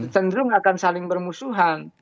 cenderung akan saling bermusuhan